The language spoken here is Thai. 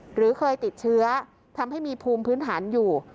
หรือเคยติดเชื้อทำให้มีภูมิพื้นฐานอยู่